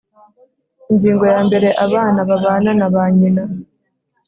Ingingo yambere Abana babana na ba nyina